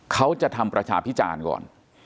เขาจะทำประชาพิจารณ์ก่อน